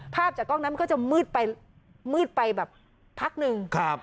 ภาพจากกล้องนั้นก็จะมืดไปแบบพักนึง